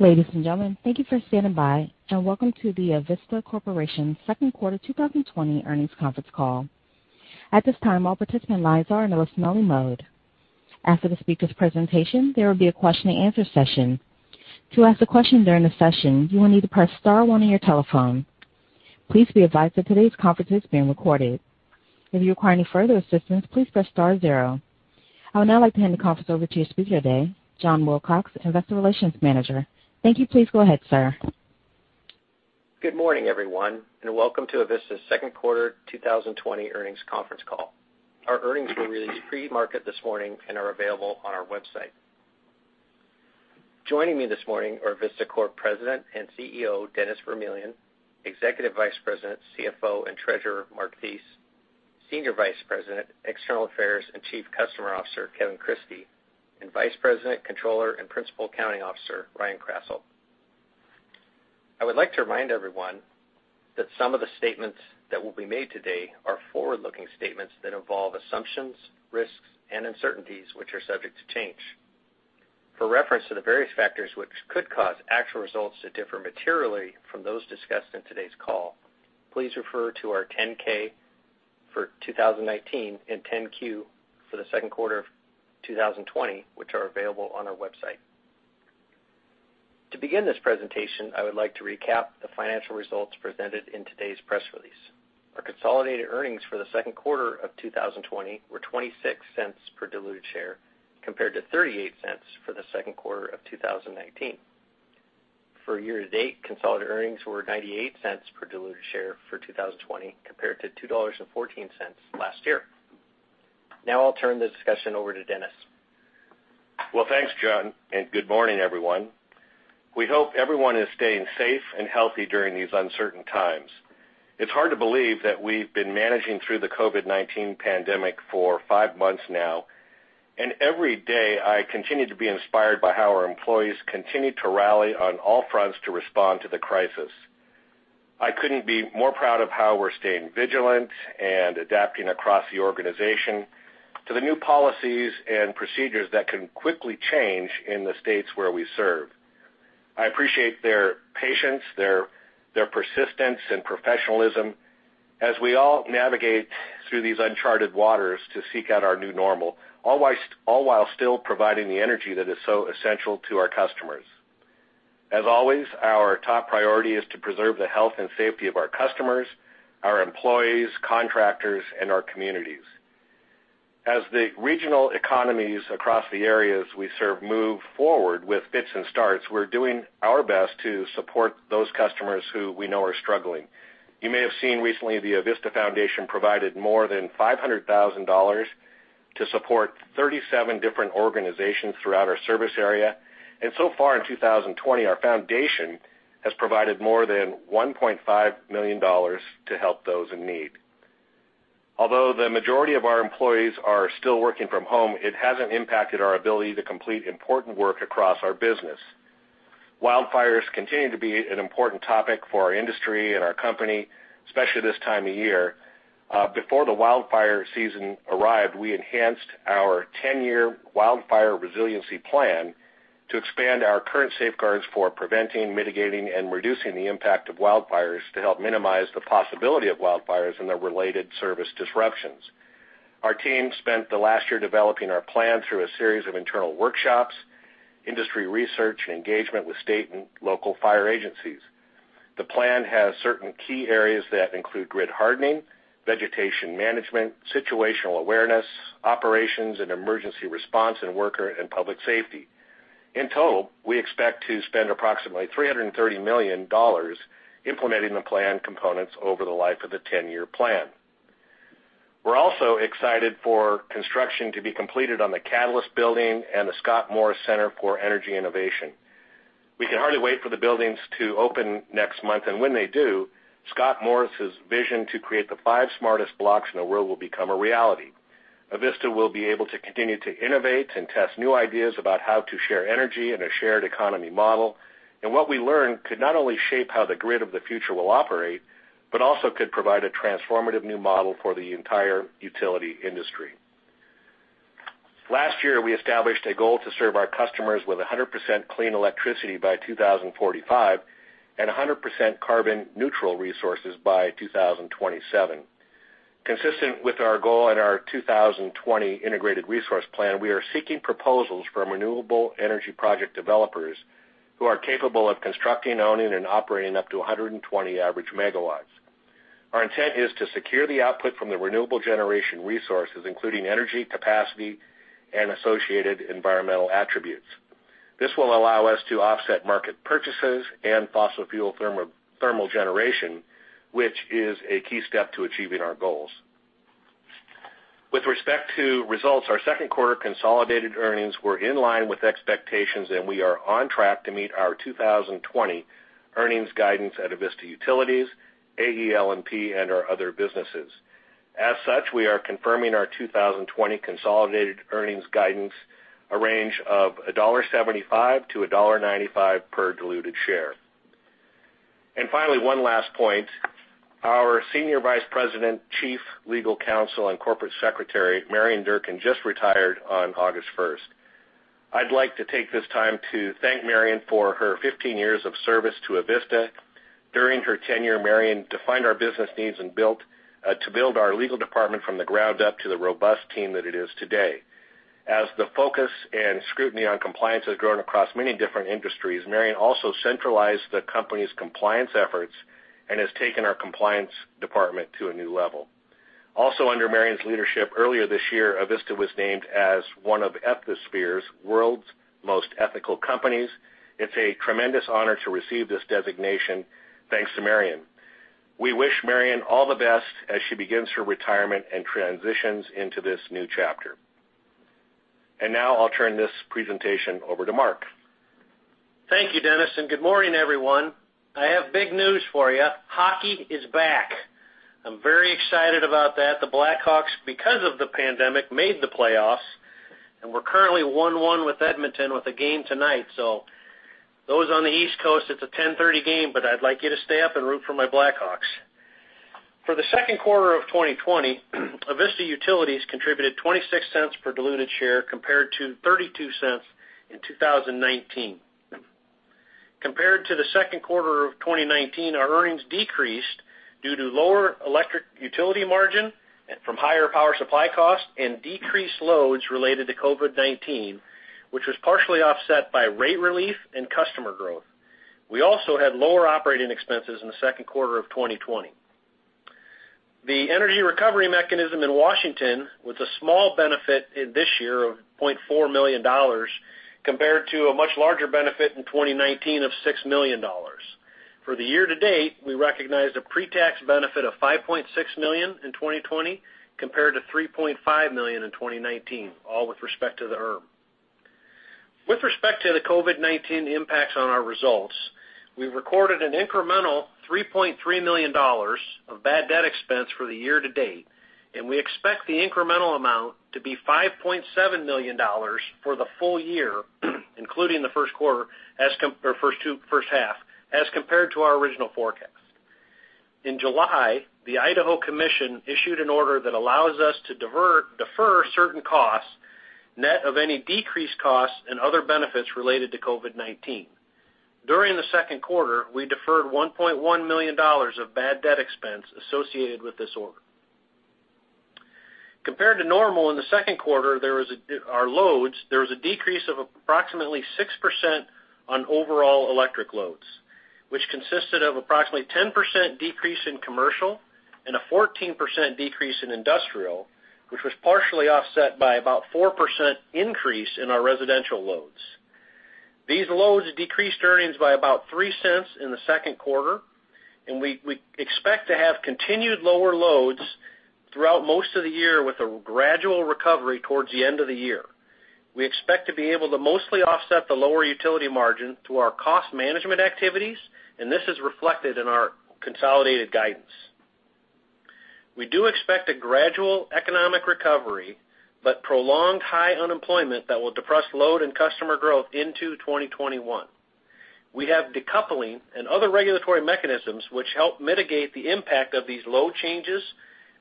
Ladies and gentlemen, thank you for standing by and welcome to the Avista Corporation Second Quarter 2020 Earnings Conference Call. At this time, all participant lines are in a listen-only mode. After the speakers' presentation, there will be a question and answer session. To ask a question during the session, you will need to press star one on your telephone. Please be advised that today's conference is being recorded. If you require any further assistance, please press star zero. I would now like to hand the conference over to your speaker today, John Wilcox, Investor Relations Manager. Thank you. Please go ahead, sir. Good morning, everyone, and welcome to Avista's second quarter 2020 earnings conference call. Our earnings were released pre-market this morning and are available on our website. Joining me this morning are Avista Corp President and CEO, Dennis Vermillion, Executive Vice President, CFO and Treasurer, Mark Thies, Senior Vice President, External Affairs and Chief Customer Officer, Kevin Christie, and Vice President, Controller and Principal Accounting Officer, Ryan Krasselt. I would like to remind everyone that some of the statements that will be made today are forward-looking statements that involve assumptions, risks, and uncertainties which are subject to change. For reference to the various factors which could cause actual results to differ materially from those discussed in today's call, please refer to our 10K for 2019 and 10Q for the second quarter of 2020, which are available on our website. To begin this presentation, I would like to recap the financial results presented in today's press release. Our consolidated earnings for the second quarter of 2020 were $0.26 per diluted share, compared to $0.38 for the second quarter of 2019. For year-to-date, consolidated earnings were $0.98 per diluted share for 2020, compared to $2.14 last year. I'll turn the discussion over to Dennis. Well, thanks, John, and good morning, everyone. We hope everyone is staying safe and healthy during these uncertain times. It's hard to believe that we've been managing through the COVID-19 pandemic for five months now, and every day, I continue to be inspired by how our employees continue to rally on all fronts to respond to the crisis. I couldn't be more proud of how we're staying vigilant and adapting across the organization to the new policies and procedures that can quickly change in the states where we serve. I appreciate their patience, their persistence, and professionalism as we all navigate through these uncharted waters to seek out our new normal, all while still providing the energy that is so essential to our customers. As always, our top priority is to preserve the health and safety of our customers, our employees, contractors, and our communities. As the regional economies across the areas we serve move forward with fits and starts, we're doing our best to support those customers who we know are struggling. You may have seen recently, the Avista Foundation provided more than $500,000 to support 37 different organizations throughout our service area. So far in 2020, our foundation has provided more than $1.5 million to help those in need. Although the majority of our employees are still working from home, it hasn't impacted our ability to complete important work across our business. Wildfires continue to be an important topic for our industry and our company, especially this time of year. Before the wildfire season arrived, we enhanced our 10-year wildfire resiliency plan to expand our current safeguards for preventing, mitigating, and reducing the impact of wildfires to help minimize the possibility of wildfires and their related service disruptions. Our team spent the last year developing our plan through a series of internal workshops, industry research, and engagement with state and local fire agencies. The plan has certain key areas that include grid hardening, vegetation management, situational awareness, operations and emergency response, and worker and public safety. In total, we expect to spend approximately $330 million implementing the plan components over the life of the 10-year plan. We're also excited for construction to be completed on the Catalyst Building and the Scott Morris Center for Energy Innovation. We can hardly wait for the buildings to open next month, and when they do, Scott Morris' vision to create the five smartest blocks in the world will become a reality. Avista will be able to continue to innovate and test new ideas about how to share energy in a shared economy model. What we learn could not only shape how the grid of the future will operate, but also could provide a transformative new model for the entire utility industry. Last year, we established a goal to serve our customers with 100% clean electricity by 2045 and 100% carbon-neutral resources by 2027. Consistent with our goal and our 2020 integrated resource plan, we are seeking proposals from renewable energy project developers who are capable of constructing, owning, and operating up to 120 average megawatts. Our intent is to secure the output from the renewable generation resources, including energy capacity and associated environmental attributes. This will allow us to offset market purchases and fossil fuel thermal generation, which is a key step to achieving our goals. With respect to results, our second quarter consolidated earnings were in line with expectations, and we are on track to meet our 2020 earnings guidance at Avista Utilities, AEL&P, and our other businesses. We are confirming our 2020 consolidated earnings guidance, a range of $1.75-$1.95 per diluted share. One last point. Our Senior Vice President, Chief Legal Counsel, and Corporate Secretary, Marian Durkin, just retired on August 1st. I'd like to take this time to thank Marian for her 15 years of service to Avista. During her tenure, Marian defined our business needs and to build our legal department from the ground up to the robust team that it is today. The focus and scrutiny on compliance has grown across many different industries, Marian also centralized the company's compliance efforts and has taken our compliance department to a new level. Also under Marian's leadership, earlier this year, Avista was named as one of Ethisphere's World's Most Ethical Companies. It's a tremendous honor to receive this designation thanks to Marian. We wish Marian all the best as she begins her retirement and transitions into this new chapter. Now I'll turn this presentation over to Mark. Thank you, Dennis. Good morning, everyone. I have big news for you. Hockey is back. I'm very excited about that. The Blackhawks, because of the pandemic, made the playoffs, and we're currently 1-1 with Edmonton with a game tonight. Those on the East Coast, it's a 10:30 game, but I'd like you to stay up and root for my Blackhawks. For the second quarter of 2020, Avista Utilities contributed $0.26 per diluted share, compared to $0.32 in 2019. Compared to the second quarter of 2019, our earnings decreased due to lower electric utility margin from higher power supply costs and decreased loads related to COVID-19, which was partially offset by rate relief and customer growth. We also had lower operating expenses in the second quarter of 2020. The Energy Recovery Mechanism in Washington, with a small benefit this year of $4.4 million, compared to a much larger benefit in 2019 of $6 million. For the year to date, we recognized a pre-tax benefit of $5.6 million in 2020 compared to $3.5 million in 2019, all with respect to the ERM. With respect to the COVID-19 impacts on our results, we recorded an incremental $3.3 million of bad debt expense for the year to date, and we expect the incremental amount to be $5.7 million for the full year, including the first half, as compared to our original forecast. In July, the Idaho Commission issued an order that allows us to defer certain costs, net of any decreased costs and other benefits related to COVID-19. During the second quarter, we deferred $1.1 million of bad debt expense associated with this order. Compared to normal in the second quarter, our loads, there was a decrease of approximately 6% on overall electric loads, which consisted of approximately 10% decrease in commercial, and a 14% decrease in industrial, which was partially offset by about 4% increase in our residential loads. These loads decreased earnings by about $0.03 in the second quarter. We expect to have continued lower loads throughout most of the year with a gradual recovery towards the end of the year. We expect to be able to mostly offset the lower utility margin through our cost management activities. This is reflected in our consolidated guidance. We do expect a gradual economic recovery. Prolonged high unemployment that will depress load and customer growth into 2021. We have decoupling and other regulatory mechanisms which help mitigate the impact of these load changes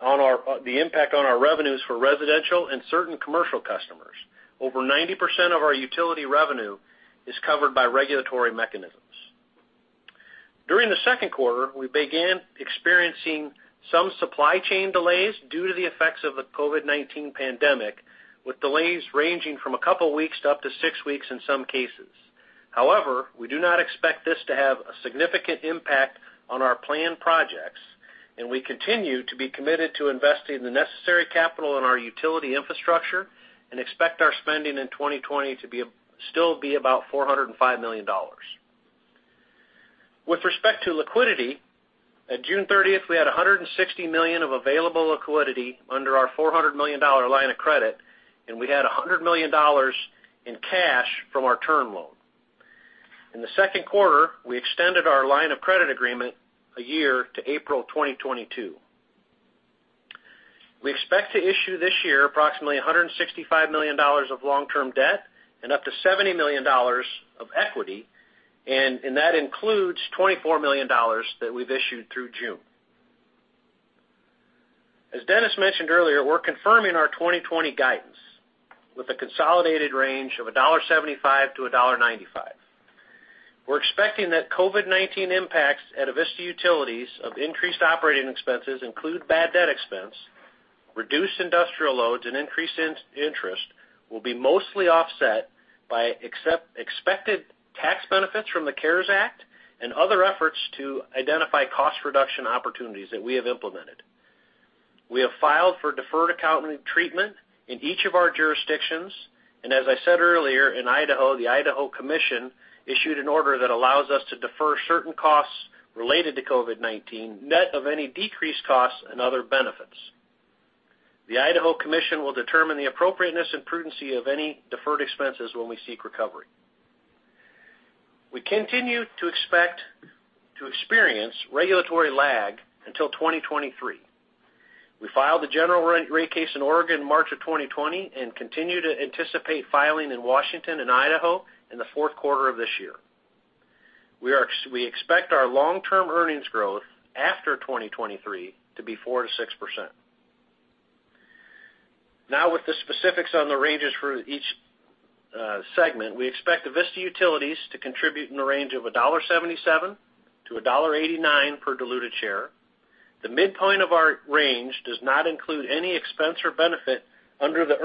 on the impact on our revenues for residential and certain commercial customers. Over 90% of our utility revenue is covered by regulatory mechanisms. During the second quarter, we began experiencing some supply chain delays due to the effects of the COVID-19 pandemic, with delays ranging from a couple of weeks up to six weeks in some cases. We do not expect this to have a significant impact on our planned projects, and we continue to be committed to investing the necessary capital in our utility infrastructure and expect our spending in 2020 to still be about $405 million. With respect to liquidity, at June 30th, we had $160 million of available liquidity under our $400 million line of credit, and we had $100 million in cash from our term loan. In the second quarter, we extended our line of credit agreement a year to April 2022. We expect to issue this year approximately $165 million of long-term debt and up to $70 million of equity, and that includes $24 million that we've issued through June. As Dennis mentioned earlier, we're confirming our 2020 guidance with a consolidated range of $1.75 to $1.95. We're expecting that COVID-19 impacts at Avista Utilities of increased operating expenses include bad debt expense, reduced industrial loads, and increased interest will be mostly offset by expected tax benefits from the CARES Act and other efforts to identify cost reduction opportunities that we have implemented. We have filed for deferred accounting treatment in each of our jurisdictions. As I said earlier, in Idaho, the Idaho Commission issued an order that allows us to defer certain costs related to COVID-19, net of any decreased costs and other benefits. The Idaho Commission will determine the appropriateness and prudency of any deferred expenses when we seek recovery. We continue to expect to experience regulatory lag until 2023. We filed the general rate case in Oregon in March of 2020 and continue to anticipate filing in Washington and Idaho in the fourth quarter of this year. We expect our long-term earnings growth after 2023 to be 4%-6%. With the specifics on the ranges for each segment, we expect Avista Utilities to contribute in the range of $1.77-$1.89 per diluted share. The midpoint of our range does not include any expense or benefit under the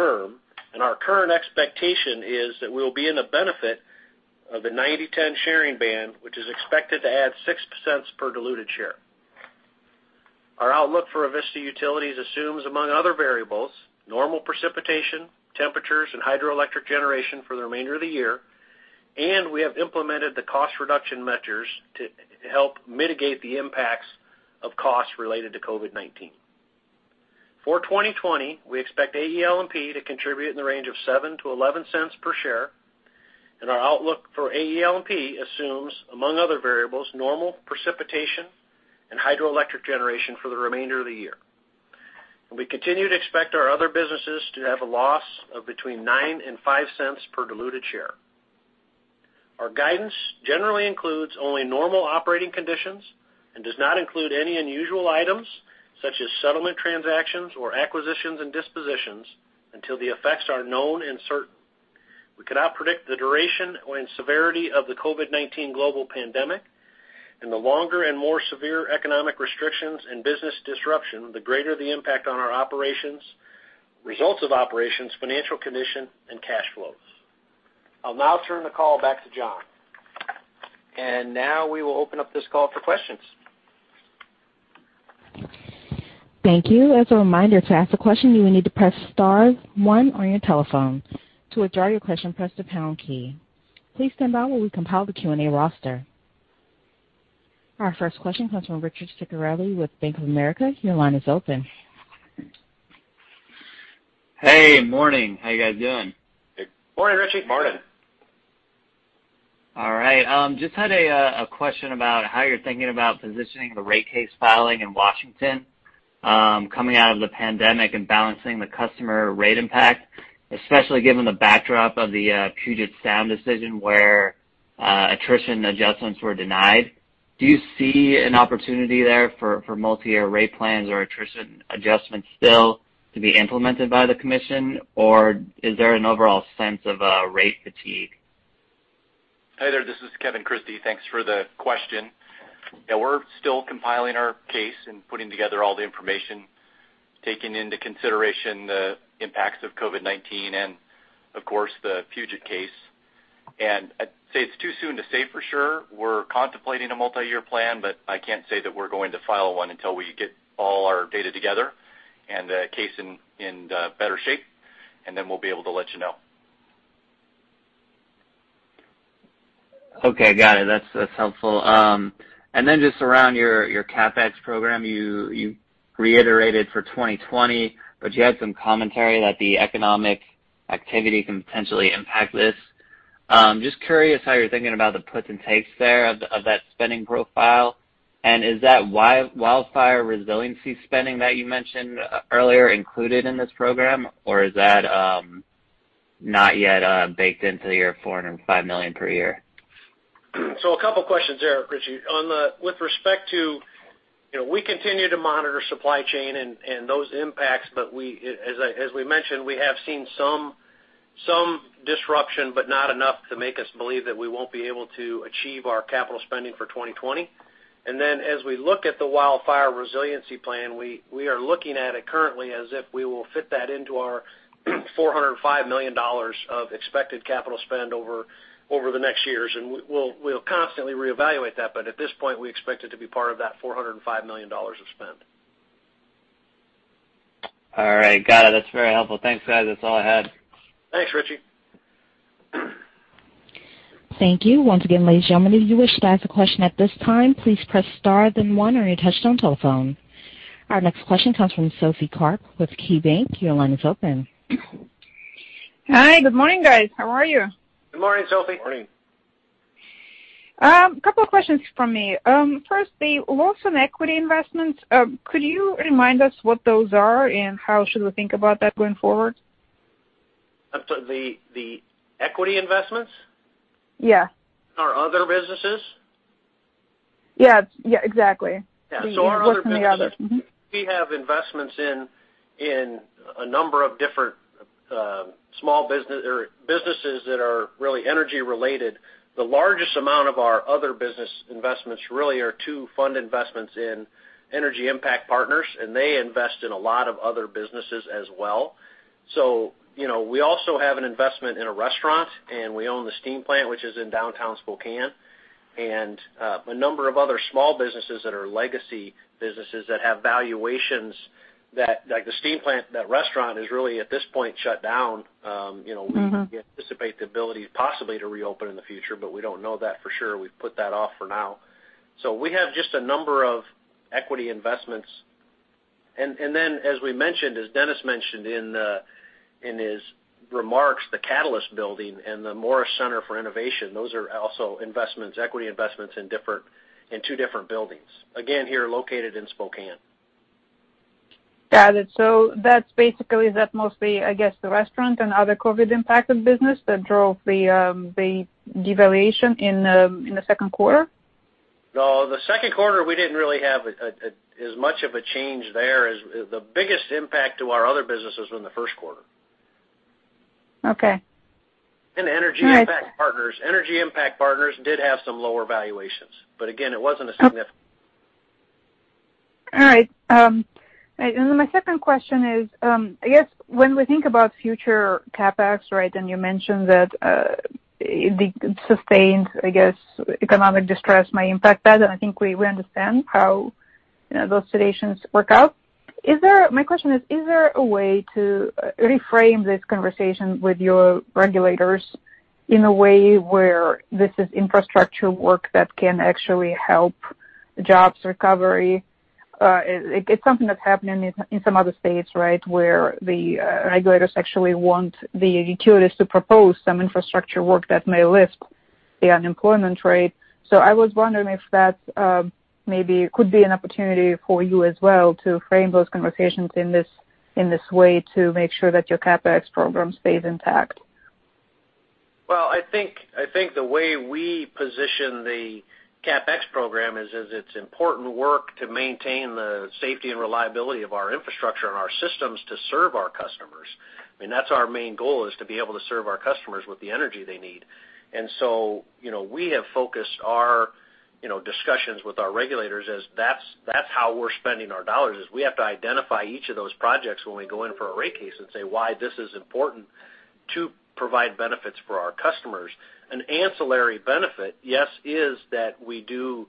ERM. Our current expectation is that we will be in the benefit of the 90/10 sharing band, which is expected to add $0.06 per diluted share. Our outlook for Avista Utilities assumes, among other variables, normal precipitation, temperatures, and hydroelectric generation for the remainder of the year. We have implemented the cost reduction measures to help mitigate the impacts of costs related to COVID-19. For 2020, we expect AEL&P to contribute in the range of $0.07-$0.11 per share. Our outlook for AEL&P assumes, among other variables, normal precipitation and hydroelectric generation for the remainder of the year. We continue to expect our other businesses to have a loss of between $0.09 and $0.05 per diluted share. Our guidance generally includes only normal operating conditions and does not include any unusual items such as settlement transactions or acquisitions and dispositions until the effects are known and certain. We cannot predict the duration and severity of the COVID-19 global pandemic and the longer and more severe economic restrictions and business disruption, the greater the impact on our operations, results of operations, financial condition, and cash flows. I'll now turn the call back to John. Now we will open up this call for questions. Thank you. As a reminder, to ask a question, you will need to press star one on your telephone. To withdraw your question, press the pound key. Please stand by while we compile the Q&A roster. Our first question comes from Richard Ciccarelli with Bank of America. Your line is open. Hey, morning. How you guys doing? Good morning, Richie. Morning. All right. Just had a question about how you're thinking about positioning the rate case filing in Washington, coming out of the pandemic and balancing the customer rate impact, especially given the backdrop of the Puget Sound decision where attrition adjustments were denied. Do you see an opportunity there for multi-year rate plans or attrition adjustments still to be implemented by the commission? Is there an overall sense of rate fatigue? Hi there. This is Kevin Christie. Thanks for the question. Yeah, we're still compiling our case and putting together all the information, taking into consideration the impacts of COVID-19 and, of course, the Puget case. I'd say it's too soon to say for sure. We're contemplating a multi-year plan, but I can't say that we're going to file one until we get all our data together and the case in better shape, and then we'll be able to let you know. Okay, got it. That's helpful. Just around your CapEx program, you reiterated for 2020, but you had some commentary that the economic activity can potentially impact this. Just curious how you're thinking about the puts and takes there of that spending profile. Is that wildfire resiliency spending that you mentioned earlier included in this program, or is that not yet baked into your $405 million per year? A couple questions there, Richie. We continue to monitor supply chain and those impacts, but as we mentioned, we have seen some disruption, but not enough to make us believe that we won't be able to achieve our capital spending for 2020. As we look at the wildfire resiliency plan, we are looking at it currently as if we will fit that into our $405 million of expected capital spend over the next years. We'll constantly reevaluate that, but at this point, we expect it to be part of that $405 million of spend. All right. Got it. That's very helpful. Thanks, guys. That's all I had. Thanks, Richie. Thank you. Once again, ladies and gentlemen, if you wish to ask a question at this time, please press star, then one on your touch-tone telephone. Our next question comes from Sophie Karp with KeyBanc. Your line is open. Hi. Good morning, guys. How are you? Good morning, Sophie. Morning. A couple of questions from me. First, the loss on equity investments, could you remind us what those are and how should we think about that going forward? The equity investments? Yeah. Our other businesses? Yeah, exactly. Yeah. The books and the others. Mm-hmm. Our other businesses, we have investments in a number of different small businesses or businesses that are really energy-related. The largest amount of our other business investments really are two fund investments in Energy Impact Partners, and they invest in a lot of other businesses as well. We also have an investment in a restaurant, and we own the Steam Plant, which is in downtown Spokane, and a number of other small businesses that are legacy businesses that have valuations that, like the Steam Plant, that restaurant is really at this point shut down. We anticipate the ability possibly to reopen in the future, but we don't know that for sure. We've put that off for now. We have just a number of equity investments. As we mentioned, as Dennis mentioned in his remarks, the Catalyst Building and the Morris Center for Innovation, those are also equity investments in two different buildings, again, here located in Spokane. Got it. That's basically, that mostly, I guess, the restaurant and other COVID-impacted business that drove the devaluation in the second quarter? No, the second quarter, we didn't really have as much of a change there. The biggest impact to our other businesses was in the first quarter. Okay. Energy Impact Partners did have some lower valuations. Again, it wasn't a significant. All right. Then my second question is, I guess when we think about future CapEx, right, and you mentioned that the sustained economic distress may impact that, and I think we understand how those situations work out. My question is there a way to reframe this conversation with your regulators in a way where this is infrastructure work that can actually help jobs recovery? It's something that's happening in some other states, right? Where the regulators actually want the utilities to propose some infrastructure work that may lift the unemployment rate. I was wondering if that maybe could be an opportunity for you as well to frame those conversations in this way to make sure that your CapEx program stays intact. Well, I think the way we position the CapEx program is, it's important work to maintain the safety and reliability of our infrastructure and our systems to serve our customers. I mean, that's our main goal, is to be able to serve our customers with the energy they need. We have focused our discussions with our regulators as that's how we're spending our dollars, is we have to identify each of those projects when we go in for a rate case and say why this is important to provide benefits for our customers. An ancillary benefit, yes, is that we do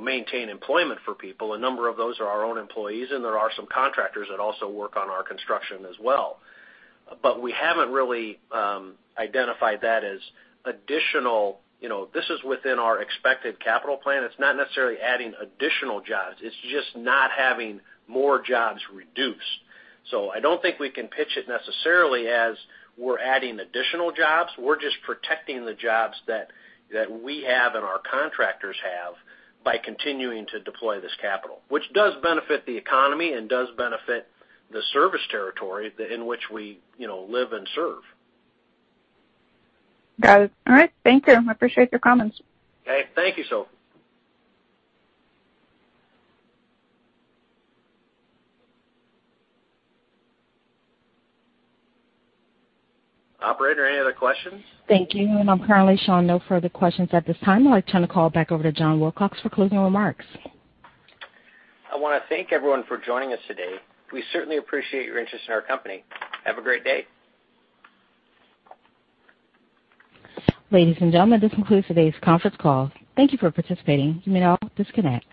maintain employment for people. A number of those are our own employees, and there are some contractors that also work on our construction as well. We haven't really identified that as additional. This is within our expected capital plan. It's not necessarily adding additional jobs. It's just not having more jobs reduced. I don't think we can pitch it necessarily as we're adding additional jobs. We're just protecting the jobs that we have and our contractors have by continuing to deploy this capital. Which does benefit the economy and does benefit the service territory in which we live and serve. Got it. All right. Thank you. I appreciate your comments. Okay. Thank you, Sophie. Operator, any other questions? Thank you. I'm currently showing no further questions at this time. I'd like to turn the call back over to John Wilcox for closing remarks. I want to thank everyone for joining us today. We certainly appreciate your interest in our company. Have a great day. Ladies and gentlemen, this concludes today's conference call. Thank you for participating. You may now disconnect.